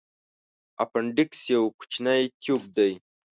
اپنډکس یو کوچنی تیوب دی.